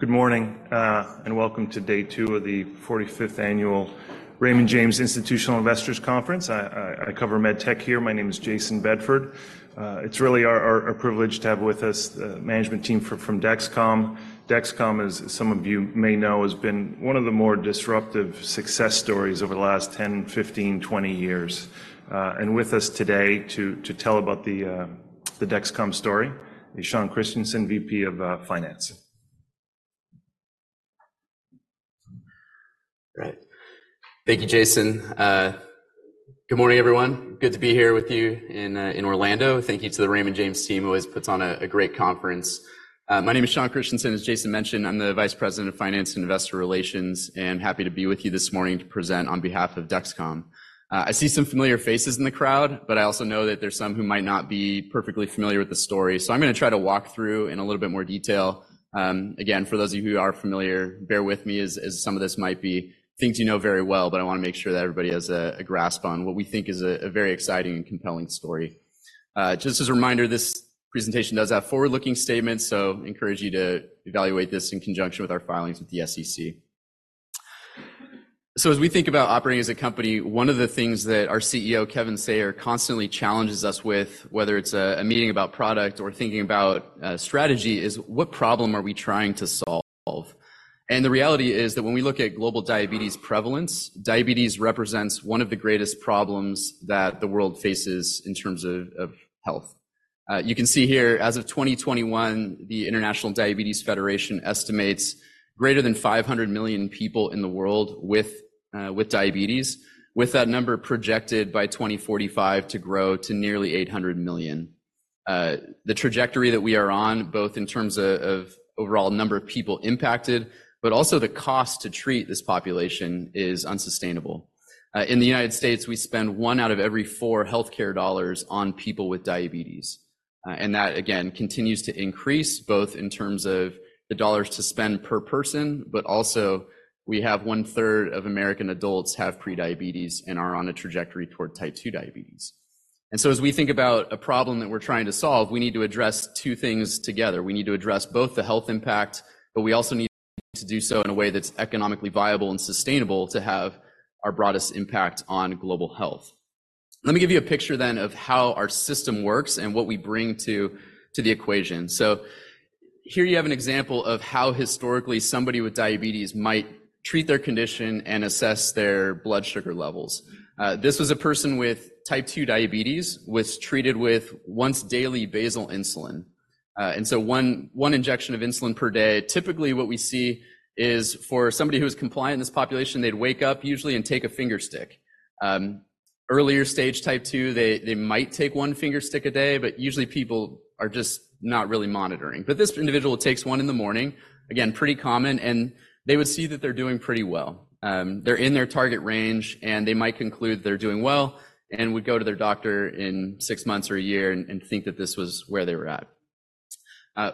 Good morning, and welcome to day two of the 45th annual Raymond James Institutional Investors Conference. I cover MedTech here. My name is Jason Bedford. It's really our privilege to have with us the management team from Dexcom. Dexcom, as some of you may know, has been one of the more disruptive success stories over the last 10, 15, 20 years. With us today to tell about the Dexcom story is Sean Christensen, VP of Finance. All right. Thank you, Jayson. Good morning, everyone. Good to be here with you in Orlando. Thank you to the Raymond James team who always puts on a great conference. My name is Sean Christensen. As Jayson mentioned, I'm the Vice President of Finance and Investor Relations, and happy to be with you this morning to present on behalf of Dexcom. I see some familiar faces in the crowd, but I also know that there's some who might not be perfectly familiar with the story. So I'm going to try to walk through in a little bit more detail. Again, for those of you who are familiar, bear with me, as some of this might be things you know very well, but I want to make sure that everybody has a grasp on what we think is a very exciting and compelling story. Just as a reminder, this presentation does have forward-looking statements, so I encourage you to evaluate this in conjunction with our filings with the SEC. So as we think about operating as a company, one of the things that our CEO, Kevin Sayer, constantly challenges us with, whether it's a meeting about product or thinking about strategy, is what problem are we trying to solve? And the reality is that when we look at global diabetes prevalence, diabetes represents one of the greatest problems that the world faces in terms of health. You can see here, as of 2021, the International Diabetes Federation estimates greater than 500 million people in the world with diabetes, with that number projected by 2045 to grow to nearly 800 million. The trajectory that we are on, both in terms of, of overall number of people impacted, but also the cost to treat this population is unsustainable. In the United States, we spend one out of every four healthcare dollars on people with diabetes. That, again, continues to increase both in terms of the dollars to spend per person, but also we have one-third of American adults have prediabetes and are on a trajectory toward type 2 diabetes. As we think about a problem that we're trying to solve, we need to address two things together. We need to address both the health impact, but we also need to do so in a way that's economically viable and sustainable to have our broadest impact on global health. Let me give you a picture then of how our system works and what we bring to, to the equation. So here you have an example of how historically somebody with diabetes might treat their condition and assess their blood sugar levels. This was a person with type 2 diabetes who was treated with once daily basal insulin. And so one one injection of insulin per day, typically what we see is for somebody who is compliant in this population, they'd wake up usually and take a fingerstick. Earlier stage type 2, they, they might take one fingerstick a day, but usually people are just not really monitoring. But this individual takes one in the morning, again, pretty common, and they would see that they're doing pretty well. They're in their target range, and they might conclude they're doing well and would go to their doctor in six months or a year and, and think that this was where they were at.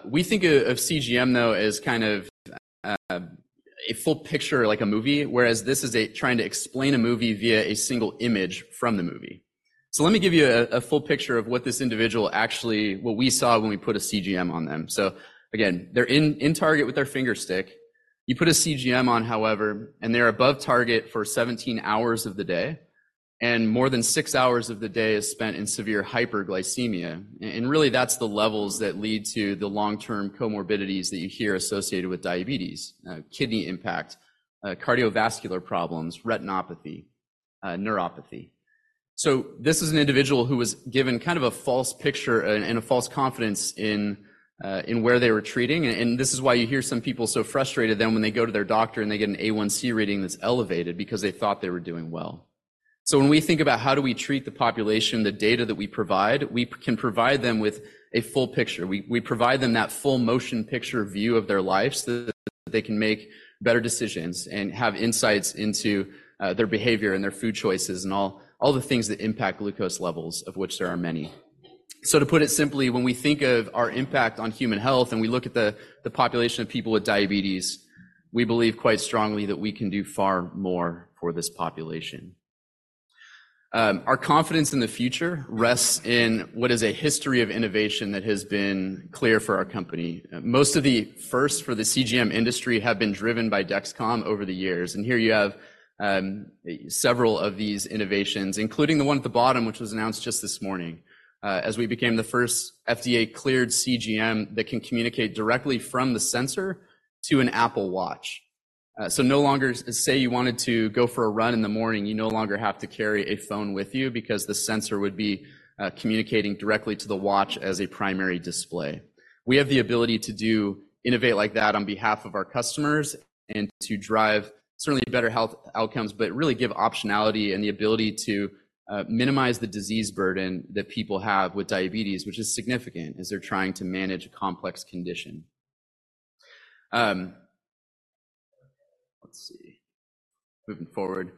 We think of CGM, though, as kind of a full picture, like a movie, whereas this is a trying to explain a movie via a single image from the movie. So let me give you a full picture of what this individual actually what we saw when we put a CGM on them. So again, they're in target with their fingerstick. You put a CGM on, however, and they're above target for 17 hours of the day, and more than 6 hours of the day is spent in severe hyperglycemia. And really that's the levels that lead to the long-term comorbidities that you hear associated with diabetes: kidney impact, cardiovascular problems, retinopathy, neuropathy. So this is an individual who was given kind of a false picture and a false confidence in where they were treating. And this is why you hear some people so frustrated then when they go to their doctor and they get an A1C reading that's elevated because they thought they were doing well. So when we think about how do we treat the population, the data that we provide, we can provide them with a full picture. We provide them that full motion picture view of their lives so that they can make better decisions and have insights into their behavior and their food choices and all the things that impact glucose levels, of which there are many. So to put it simply, when we think of our impact on human health and we look at the population of people with diabetes, we believe quite strongly that we can do far more for this population. Our confidence in the future rests in what is a history of innovation that has been clear for our company. Most of the first for the CGM industry have been driven by Dexcom over the years. Here you have several of these innovations, including the one at the bottom, which was announced just this morning, as we became the first FDA-cleared CGM that can communicate directly from the sensor to an Apple Watch. No longer as, say, you wanted to go for a run in the morning, you no longer have to carry a phone with you because the sensor would be communicating directly to the watch as a primary display. We have the ability to do innovate like that on behalf of our customers and to drive certainly better health outcomes, but really give optionality and the ability to minimize the disease burden that people have with diabetes, which is significant as they're trying to manage a complex condition. Let's see. Moving forward.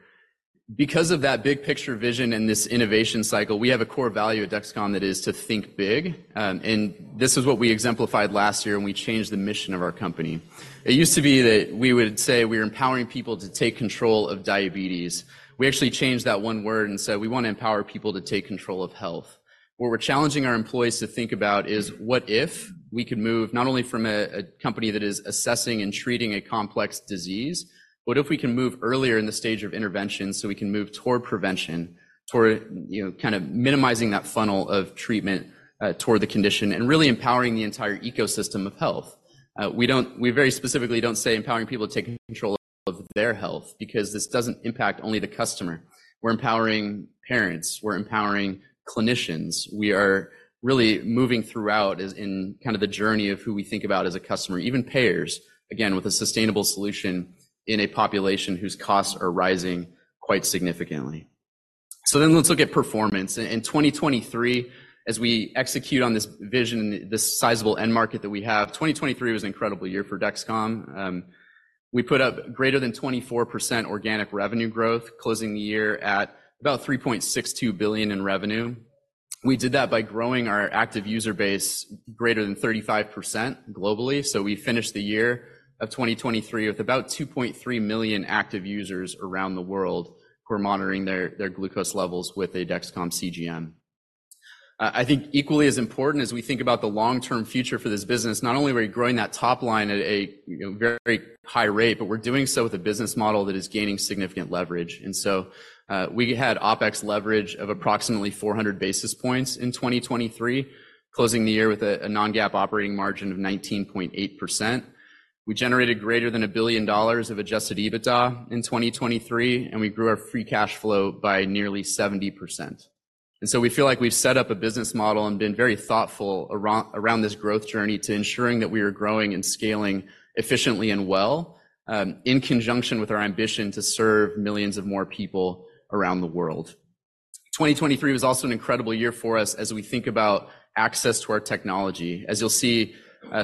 Because of that big picture vision and this innovation cycle, we have a core value at Dexcom that is to think big. And this is what we exemplified last year, and we changed the mission of our company. It used to be that we would say we were empowering people to take control of diabetes. We actually changed that one word and said we want to empower people to take control of health. What we're challenging our employees to think about is what if we could move not only from a company that is assessing and treating a complex disease, but what if we can move earlier in the stage of intervention so we can move toward prevention, toward, you know, kind of minimizing that funnel of treatment, toward the condition and really empowering the entire ecosystem of health. We don't. We very specifically don't say empowering people to take control of their health because this doesn't impact only the customer. We're empowering parents. We're empowering clinicians. We are really moving throughout as in kind of the journey of who we think about as a customer, even payers, again, with a sustainable solution in a population whose costs are rising quite significantly. So then let's look at performance. In 2023, as we execute on this vision and this sizable end market that we have, 2023 was an incredible year for Dexcom. We put up greater than 24% organic revenue growth, closing the year at about $3.62 billion in revenue. We did that by growing our active user base greater than 35% globally. So we finished the year of 2023 with about 2.3 million active users around the world who are monitoring their glucose levels with a Dexcom CGM. I think equally as important as we think about the long-term future for this business, not only are we growing that top line at a, you know, very high rate, but we're doing so with a business model that is gaining significant leverage. And so, we had OpEx leverage of approximately 400 basis points in 2023, closing the year with a non-GAAP operating margin of 19.8%. We generated greater than $1 billion of Adjusted EBITDA in 2023, and we grew our free cash flow by nearly 70%. And so we feel like we've set up a business model and been very thoughtful around this growth journey to ensuring that we are growing and scaling efficiently and well, in conjunction with our ambition to serve millions of more people around the world. 2023 was also an incredible year for us as we think about access to our technology. As you'll see,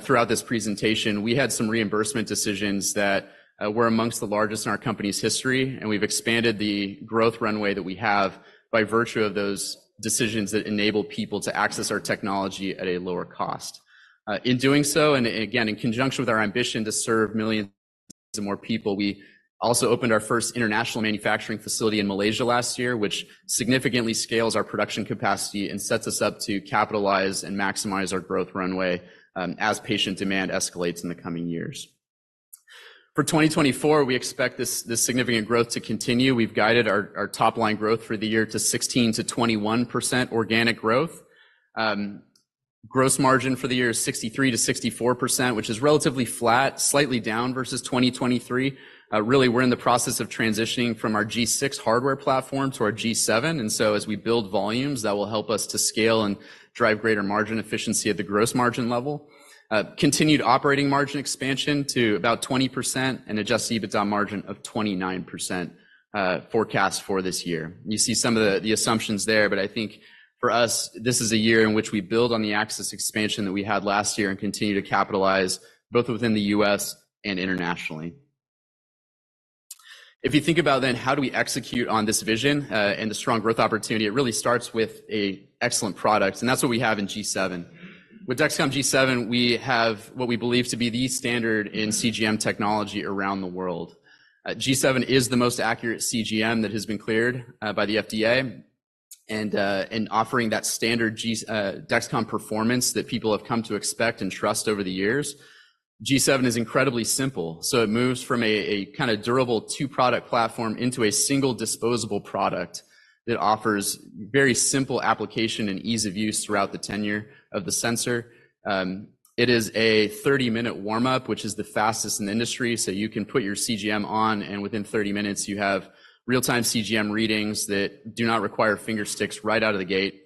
throughout this presentation, we had some reimbursement decisions that were amongst the largest in our company's history, and we've expanded the growth runway that we have by virtue of those decisions that enable people to access our technology at a lower cost. In doing so, and again, in conjunction with our ambition to serve millions of more people, we also opened our first international manufacturing facility in Malaysia last year, which significantly scales our production capacity and sets us up to capitalize and maximize our growth runway, as patient demand escalates in the coming years. For 2024, we expect this significant growth to continue. We've guided our top line growth for the year to 16%-21% organic growth. Gross margin for the year is 63%-64%, which is relatively flat, slightly down versus 2023. Really, we're in the process of transitioning from our G6 hardware platform to our G7. And so as we build volumes, that will help us to scale and drive greater margin efficiency at the gross margin level, continued operating margin expansion to about 20%, and Adjusted EBITDA margin of 29%, forecast for this year. You see some of the assumptions there, but I think for us, this is a year in which we build on the access expansion that we had last year and continue to capitalize both within the U.S. and internationally. If you think about then how do we execute on this vision, and the strong growth opportunity, it really starts with a excellent product, and that's what we have in G7. With Dexcom G7, we have what we believe to be the standard in CGM technology around the world. G7 is the most accurate CGM that has been cleared by the FDA, and offering that standard G, Dexcom performance that people have come to expect and trust over the years. G7 is incredibly simple, so it moves from a, a kind of durable two-product platform into a single disposable product that offers very simple application and ease of use throughout the tenure of the sensor. It is a 30-minute warmup, which is the fastest in the industry, so you can put your CGM on, and within 30 minutes, you have real-time CGM readings that do not require fingersticks right out of the gate.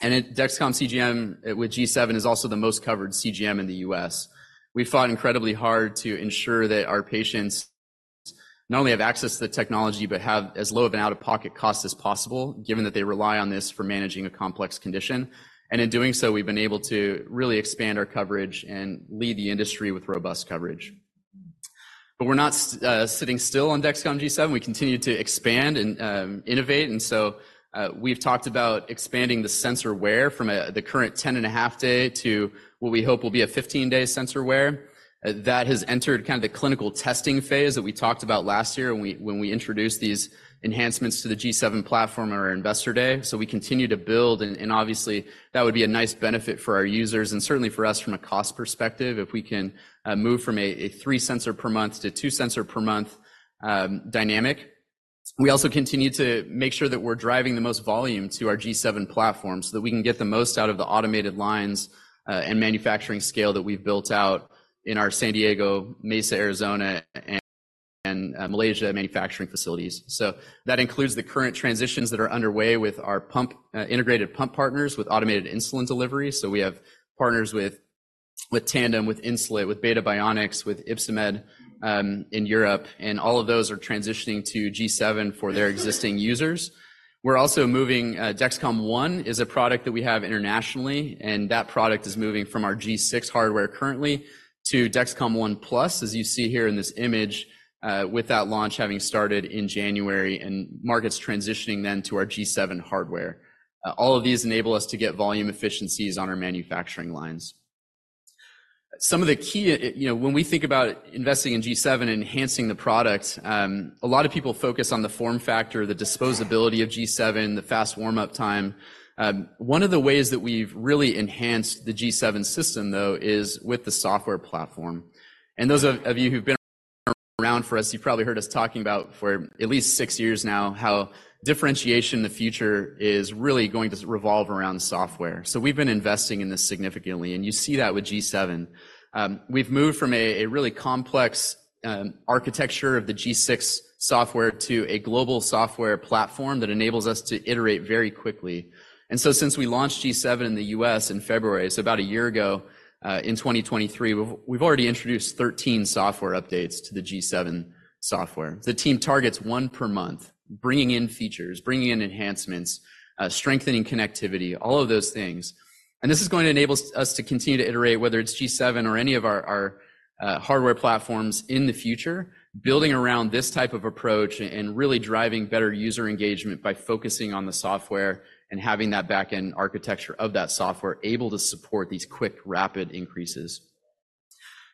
And the Dexcom CGM with G7 is also the most covered CGM in the U.S. We've fought incredibly hard to ensure that our patients not only have access to the technology, but have as low of an out-of-pocket cost as possible, given that they rely on this for managing a complex condition. And in doing so, we've been able to really expand our coverage and lead the industry with robust coverage. But we're not sitting still on Dexcom G7. We continue to expand and innovate. And so, we've talked about expanding the sensor wear from the current 10.5-day to what we hope will be a 15-day sensor wear. That has entered kind of the clinical testing phase that we talked about last year when we introduced these enhancements to the G7 platform on our investor day. So we continue to build, and obviously, that would be a nice benefit for our users and certainly for us from a cost perspective if we can move from a 3-sensor-per-month to 2-sensor-per-month dynamic. We also continue to make sure that we're driving the most volume to our G7 platform so that we can get the most out of the automated lines and manufacturing scale that we've built out in our San Diego, Mesa, Arizona, and Malaysia manufacturing facilities. So that includes the current transitions that are underway with our pump integrated pump partners with automated insulin delivery. So we have partners with Tandem, with Insulet, with Beta Bionics, with Ypsomed in Europe, and all of those are transitioning to G7 for their existing users. We're also moving. Dexcom ONE is a product that we have internationally, and that product is moving from our G6 hardware currently to Dexcom ONE+, as you see here in this image, with that launch having started in January and markets transitioning then to our G7 hardware. All of these enable us to get volume efficiencies on our manufacturing lines. Some of the key, you know, when we think about investing in G7 and enhancing the product, a lot of people focus on the form factor, the disposability of G7, the fast warmup time. One of the ways that we've really enhanced the G7 system, though, is with the software platform. Those of you who've been around for us, you've probably heard us talking about for at least six years now how differentiation in the future is really going to revolve around software. We've been investing in this significantly, and you see that with G7. We've moved from a really complex architecture of the G6 software to a global software platform that enables us to iterate very quickly. So since we launched G7 in the U.S. in February, so about a year ago, in 2023, we've already introduced 13 software updates to the G7 software. The team targets one per month, bringing in features, bringing in enhancements, strengthening connectivity, all of those things. This is going to enable us to continue to iterate, whether it's G7 or any of our hardware platforms in the future, building around this type of approach and really driving better user engagement by focusing on the software and having that backend architecture of that software able to support these quick, rapid increases.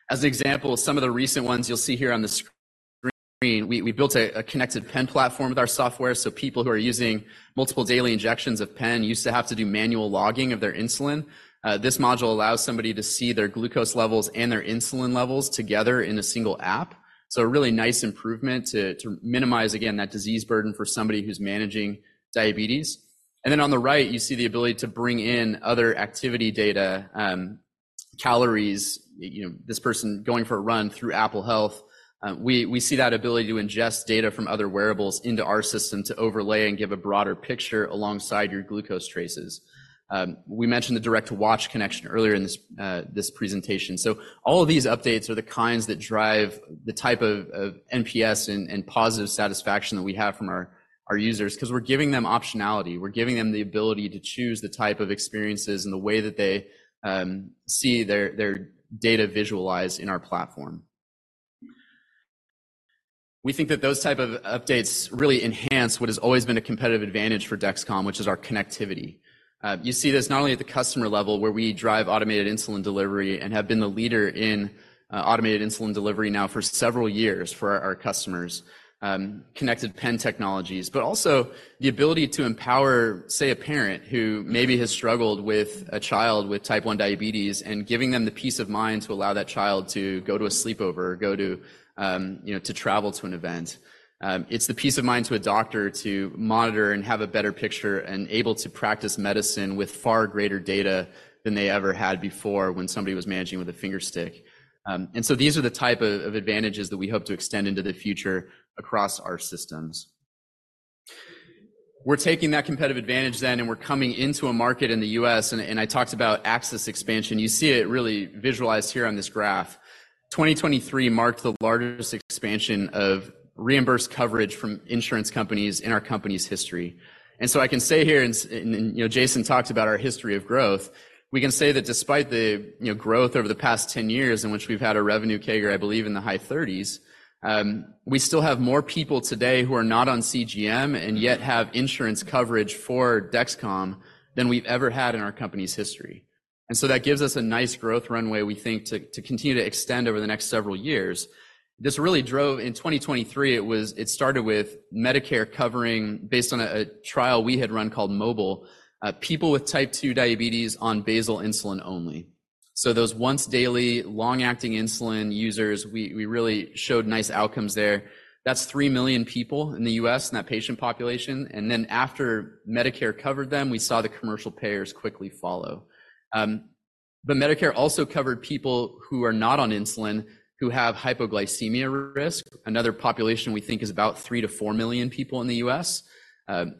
As an example, some of the recent ones you'll see here on the screen, we built a connected pen platform with our software. So people who are using multiple daily injections of pen used to have to do manual logging of their insulin. This module allows somebody to see their glucose levels and their insulin levels together in a single app. So a really nice improvement to minimize, again, that disease burden for somebody who's managing diabetes. And then on the right, you see the ability to bring in other activity data, calories, you know, this person going for a run through Apple Health. We see that ability to ingest data from other wearables into our system to overlay and give a broader picture alongside your glucose traces. We mentioned the direct-to-watch connection earlier in this presentation. So all of these updates are the kinds that drive the type of NPS and positive satisfaction that we have from our users because we're giving them optionality. We're giving them the ability to choose the type of experiences and the way that they see their data visualized in our platform. We think that those type of updates really enhance what has always been a competitive advantage for Dexcom, which is our connectivity. You see this not only at the customer level where we drive automated insulin delivery and have been the leader in automated insulin delivery now for several years for our customers, connected pen technologies, but also the ability to empower, say, a parent who maybe has struggled with a child with type 1 diabetes and giving them the peace of mind to allow that child to go to a sleepover, go to, you know, to travel to an event. It's the peace of mind to a doctor to monitor and have a better picture and able to practice medicine with far greater data than they ever had before when somebody was managing with a fingerstick. And so these are the type of advantages that we hope to extend into the future across our systems. We're taking that competitive advantage then, and we're coming into a market in the U.S., and I talked about access expansion. You see it really visualized here on this graph. 2023 marked the largest expansion of reimbursed coverage from insurance companies in our company's history. So I can say here, you know, Jayson talked about our history of growth. We can say that despite the, you know, growth over the past 10 years in which we've had a revenue CAGR, I believe, in the high 30s, we still have more people today who are not on CGM and yet have insurance coverage for Dexcom than we've ever had in our company's history. And so that gives us a nice growth runway, we think, to continue to extend over the next several years. This really drove in 2023; it started with Medicare covering based on a trial we had run called MOBILE, people with type 2 diabetes on basal insulin only. So those once-daily long-acting insulin users, we really showed nice outcomes there. That's 3 million people in the U.S. in that patient population. And then after Medicare covered them, we saw the commercial payers quickly follow. But Medicare also covered people who are not on insulin who have hypoglycemia risk, another population we think is about 3-4 million people in the US.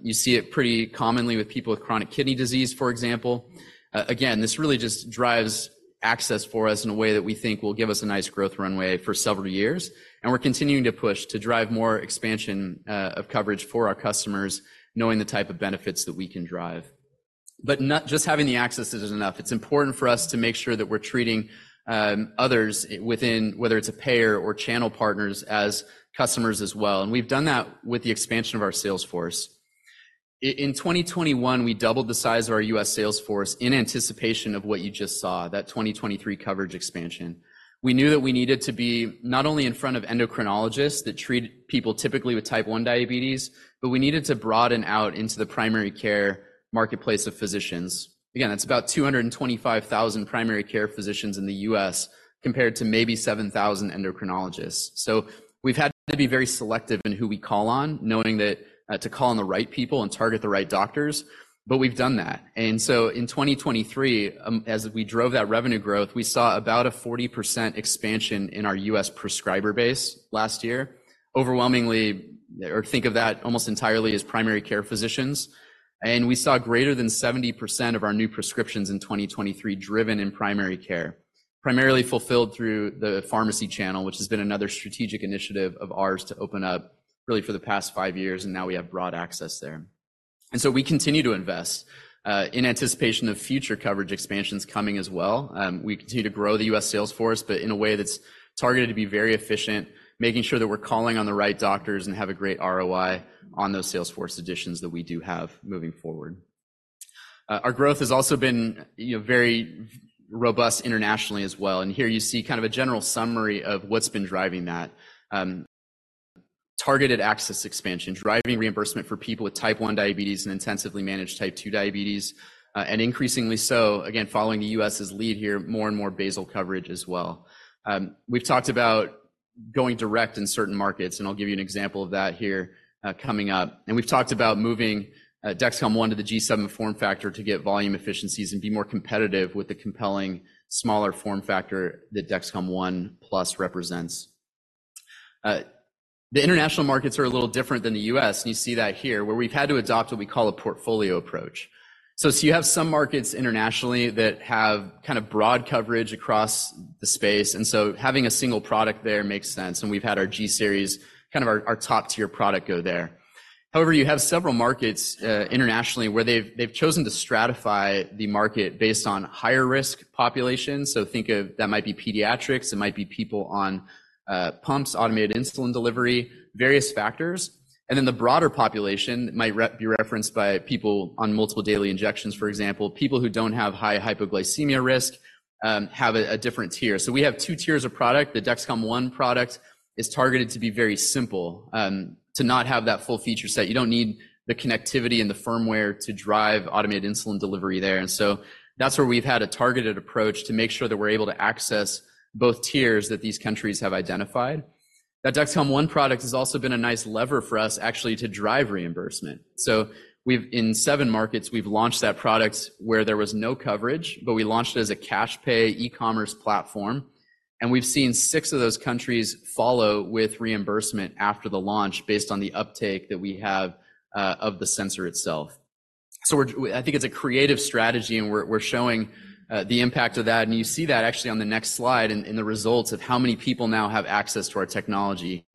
You see it pretty commonly with people with chronic kidney disease, for example. Again, this really just drives access for us in a way that we think will give us a nice growth runway for several years. And we're continuing to push to drive more expansion of coverage for our customers, knowing the type of benefits that we can drive. But not just having the access isn't enough. It's important for us to make sure that we're treating others within, whether it's a payer or channel partners, as customers as well. And we've done that with the expansion of our sales force. In 2021, we doubled the size of our U.S. sales force in anticipation of what you just saw, that 2023 coverage expansion. We knew that we needed to be not only in front of endocrinologists that treat people typically with type 1 diabetes, but we needed to broaden out into the primary care marketplace of physicians. Again, that's about 225,000 primary care physicians in the U.S. compared to maybe 7,000 endocrinologists. We've had to be very selective in who we call on, knowing that, to call on the right people and target the right doctors. We've done that. So in 2023, as we drove that revenue growth, we saw about a 40% expansion in our U.S. prescriber base last year, overwhelmingly, or think of that almost entirely as primary care physicians. And we saw greater than 70% of our new prescriptions in 2023 driven in primary care, primarily fulfilled through the pharmacy channel, which has been another strategic initiative of ours to open up really for the past five years, and now we have broad access there. And so we continue to invest, in anticipation of future coverage expansions coming as well. We continue to grow the U.S. sales force, but in a way that's targeted to be very efficient, making sure that we're calling on the right doctors and have a great ROI on those sales force additions that we do have moving forward. Our growth has also been, you know, very robust internationally as well. And here you see kind of a general summary of what's been driving that, targeted access expansion, driving reimbursement for people with type 1 diabetes and intensively managed type 2 diabetes, and increasingly so, again, following the U.S.'s lead here, more and more basal coverage as well. We've talked about going direct in certain markets, and I'll give you an example of that here, coming up. And we've talked about moving Dexcom ONE to the G7 form factor to get volume efficiencies and be more competitive with the compelling smaller form factor that Dexcom ONE+ represents. The international markets are a little different than the U.S., and you see that here, where we've had to adopt what we call a portfolio approach. So you have some markets internationally that have kind of broad coverage across the space, and so having a single product there makes sense. We've had our G series, kind of our top-tier product go there. However, you have several markets, internationally where they've chosen to stratify the market based on higher-risk populations. So think of that; it might be pediatrics, it might be people on pumps, automated insulin delivery, various factors. Then the broader population might be referenced by people on multiple daily injections, for example, people who don't have high hypoglycemia risk, have a different tier. So we have two tiers of product. The Dexcom ONE product is targeted to be very simple, to not have that full feature set. You don't need the connectivity and the firmware to drive automated insulin delivery there. And so that's where we've had a targeted approach to make sure that we're able to access both tiers that these countries have identified. That Dexcom ONE product has also been a nice lever for us, actually, to drive reimbursement. So we've, in 7 markets, we've launched that product where there was no coverage, but we launched it as a cash pay e-commerce platform. And we've seen 6 of those countries follow with reimbursement after the launch based on the uptake that we have, of the sensor itself. So we're, I think it's a creative strategy, and we're, we're showing, the impact of that. And you see that actually on the next slide in, in the results of how many people now have access to our technology,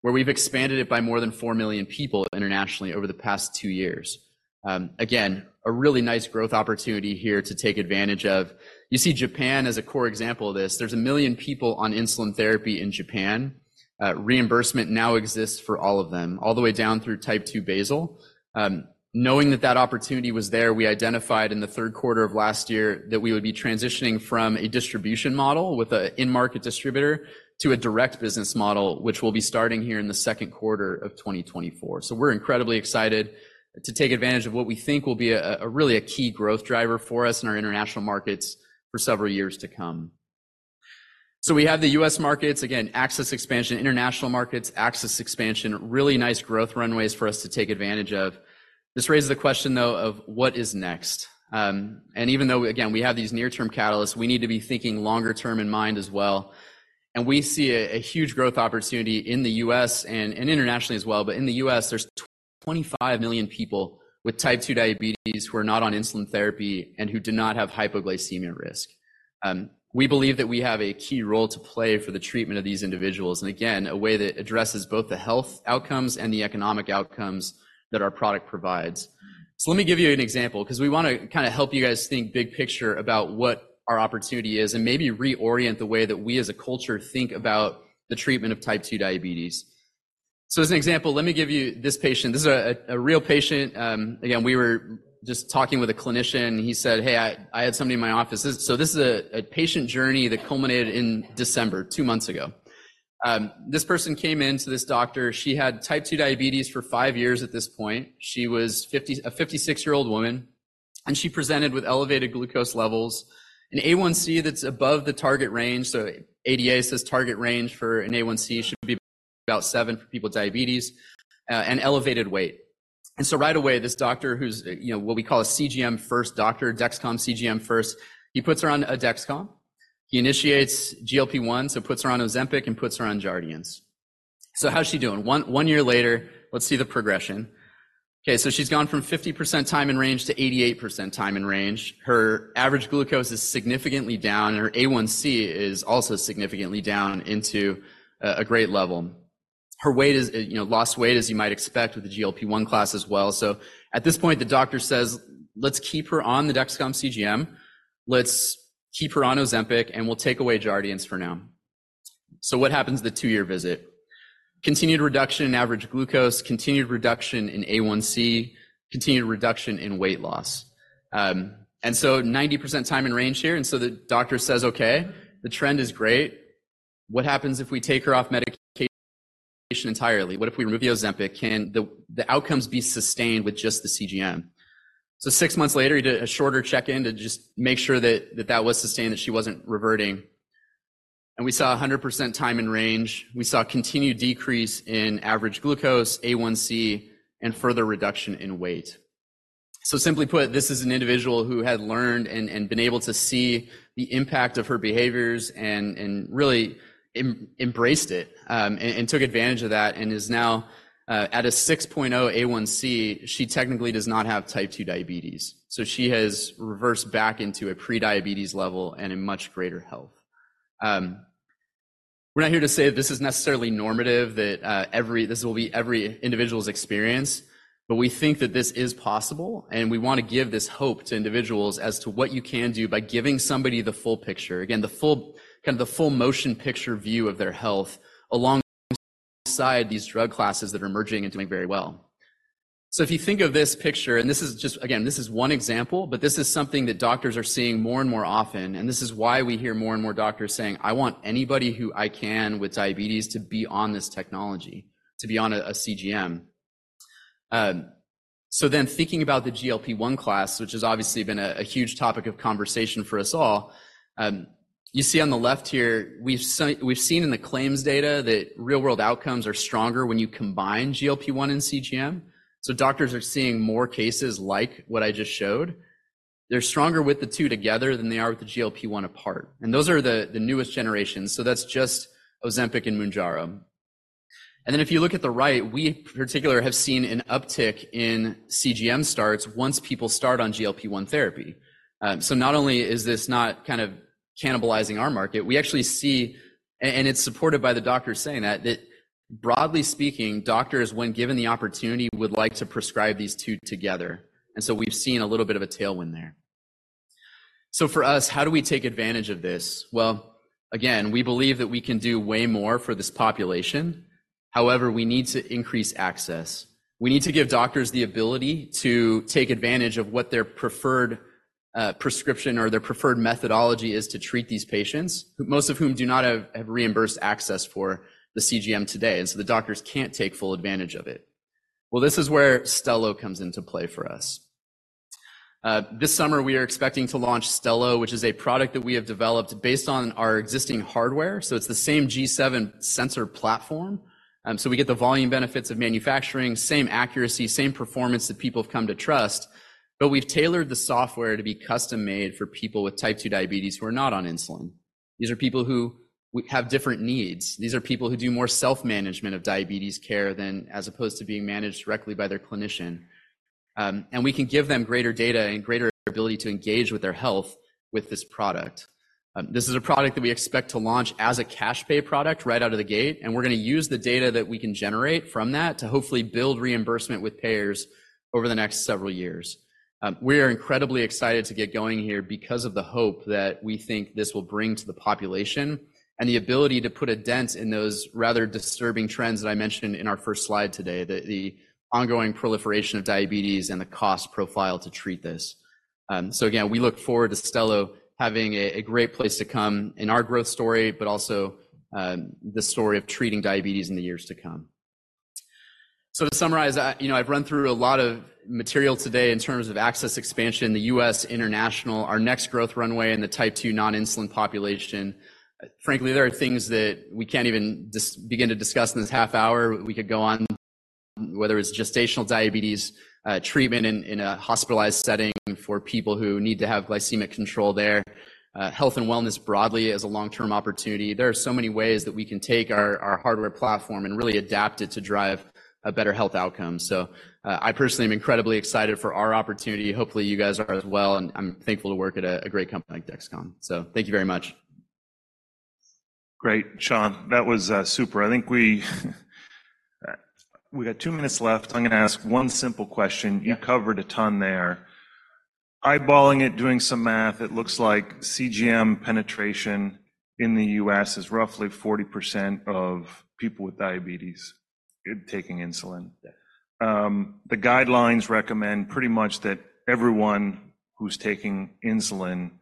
where we've expanded it by more than 4 million people internationally over the past 2 years. Again, a really nice growth opportunity here to take advantage of. You see Japan as a core example of this. There's 1 million people on insulin therapy in Japan. Reimbursement now exists for all of them, all the way down through type 2 basal. Knowing that that opportunity was there, we identified in the third quarter of last year that we would be transitioning from a distribution model with an in-market distributor to a direct business model, which we'll be starting here in the second quarter of 2024. So we're incredibly excited to take advantage of what we think will be a really key growth driver for us in our international markets for several years to come. So we have the U.S. markets, again, access expansion, international markets, access expansion, really nice growth runways for us to take advantage of. This raises the question, though, of what is next? And even though, again, we have these near-term catalysts, we need to be thinking longer-term in mind as well. We see a huge growth opportunity in the U.S. and internationally as well. But in the U.S., there's 25 million people with type 2 diabetes who are not on insulin therapy and who do not have hypoglycemia risk. We believe that we have a key role to play for the treatment of these individuals, and again, a way that addresses both the health outcomes and the economic outcomes that our product provides. Let me give you an example because we want to kind of help you guys think big picture about what our opportunity is and maybe reorient the way that we as a culture think about the treatment of type 2 diabetes. As an example, let me give you this patient. This is a real patient. Again, we were just talking with a clinician, and he said, "Hey, I had somebody in my office." So this is a patient journey that culminated in December, two months ago. This person came in to this doctor. She had type 2 diabetes for five years at this point. She was 50, a 56-year-old woman, and she presented with elevated glucose levels, an A1C that's above the target range. So ADA says target range for an A1C should be about seven for people with diabetes, and elevated weight. And so right away, this doctor who's, you know, what we call a CGM-first doctor, Dexcom CGM-first, he puts her on a Dexcom. He initiates GLP-1, so puts her on Ozempic and puts her on Jardiance. So how's she doing? One year later, let's see the progression. Okay, so she's gone from 50% time in range to 88% time in range. Her average glucose is significantly down, and her A1C is also significantly down into a great level. Her weight is, you know, lost weight as you might expect with the GLP-1 class as well. So at this point, the doctor says, "Let's keep her on the Dexcom CGM. Let's keep her on Ozempic, and we'll take away Jardiance for now." So what happens at the two-year visit? Continued reduction in average glucose, continued reduction in A1C, continued reduction in weight loss, and so 90% time in range here. And so the doctor says, "Okay, the trend is great. What happens if we take her off medication entirely? What if we remove the Ozempic? Can the outcomes be sustained with just the CGM?" So six months later, he did a shorter check-in to just make sure that that was sustained, that she wasn't reverting. And we saw 100% time in range. We saw continued decrease in average glucose, A1C, and further reduction in weight. So simply put, this is an individual who had learned and been able to see the impact of her behaviors and really embraced it, and took advantage of that and is now at a 6.0 A1C. She technically does not have type 2 diabetes. So she has reversed back into a prediabetes level and in much greater health. We're not here to say that this is necessarily normative, that this will be every individual's experience, but we think that this is possible, and we want to give this hope to individuals as to what you can do by giving somebody the full picture, again, the full kind of the full motion picture view of their health alongside these drug classes that are emerging and doing very well. So if you think of this picture, and this is just, again, this is one example, but this is something that doctors are seeing more and more often, and this is why we hear more and more doctors saying, "I want anybody who I can with diabetes to be on this technology, to be on a, a CGM." So then thinking about the GLP-1 class, which has obviously been a, a huge topic of conversation for us all, you see on the left here, we've seen in the claims data that real-world outcomes are stronger when you combine GLP-1 and CGM. So doctors are seeing more cases like what I just showed. They're stronger with the two together than they are with the GLP-1 apart. And those are the, the newest generations. So that's just Ozempic and Mounjaro. And then if you look at the right, we in particular have seen an uptick in CGM starts once people start on GLP-1 therapy. So not only is this not kind of cannibalizing our market, we actually see, and it's supported by the doctor saying that, that broadly speaking, doctors, when given the opportunity, would like to prescribe these two together. And so we've seen a little bit of a tailwind there. So for us, how do we take advantage of this? Well, again, we believe that we can do way more for this population. However, we need to increase access. We need to give doctors the ability to take advantage of what their preferred prescription or their preferred methodology is to treat these patients, most of whom do not have reimbursed access for the CGM today. And so the doctors can't take full advantage of it. Well, this is where Stelo comes into play for us. This summer, we are expecting to launch Stelo, which is a product that we have developed based on our existing hardware. So it's the same G7 sensor platform. So we get the volume benefits of manufacturing, same accuracy, same performance that people have come to trust. But we've tailored the software to be custom-made for people with type 2 diabetes who are not on insulin. These are people who have different needs. These are people who do more self-management of diabetes care than as opposed to being managed directly by their clinician. And we can give them greater data and greater ability to engage with their health with this product. This is a product that we expect to launch as a cash pay product right out of the gate, and we're going to use the data that we can generate from that to hopefully build reimbursement with payers over the next several years. We are incredibly excited to get going here because of the hope that we think this will bring to the population and the ability to put a dent in those rather disturbing trends that I mentioned in our first slide today, the ongoing proliferation of diabetes and the cost profile to treat this. So again, we look forward to Stelo having a great place to come in our growth story, but also, the story of treating diabetes in the years to come. So to summarize, I, you know, I've run through a lot of material today in terms of access expansion, the U.S., international, our next growth runway in the type 2 non-insulin population. Frankly, there are things that we can't even begin to discuss in this half hour. We could go on whether it's gestational diabetes, treatment in a hospitalized setting for people who need to have glycemic control there, health and wellness broadly as a long-term opportunity. There are so many ways that we can take our, our hardware platform and really adapt it to drive a better health outcome. So, I personally am incredibly excited for our opportunity. Hopefully, you guys are as well, and I'm thankful to work at a, a great company like Dexcom. So thank you very much. Great, Sean. That was super. I think we got two minutes left. I'm going to ask one simple question. You covered a ton there. Eyeballing it, doing some math, it looks like CGM penetration in the U.S. is roughly 40% of people with diabetes taking insulin. The guidelines recommend pretty much that everyone who's taking insulin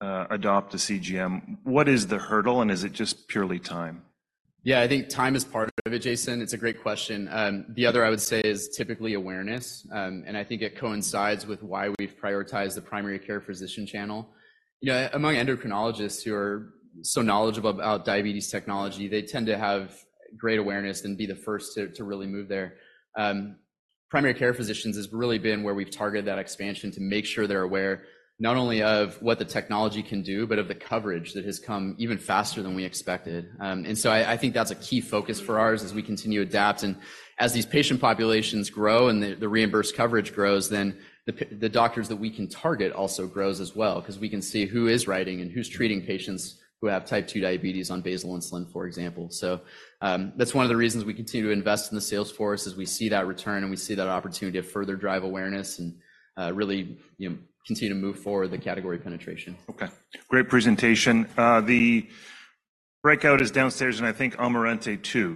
adopt a CGM. What is the hurdle, and is it just purely time? Yeah, I think time is part of it, Jayson. It's a great question. The other I would say is typically awareness. I think it coincides with why we've prioritized the primary care physician channel. You know, among endocrinologists who are so knowledgeable about diabetes technology, they tend to have great awareness and be the first to really move there. Primary care physicians has really been where we've targeted that expansion to make sure they're aware not only of what the technology can do, but of the coverage that has come even faster than we expected. So I think that's a key focus for ours as we continue to adapt. And as these patient populations grow and the reimbursed coverage grows, then the doctors that we can target also grows as well because we can see who is writing and who's treating patients who have type 2 diabetes on basal insulin, for example. So, that's one of the reasons we continue to invest in the sales force is we see that return and we see that opportunity to further drive awareness and, really, you know, continue to move forward the category penetration. Okay. Great presentation. The breakout is downstairs, and I think Amalfi II.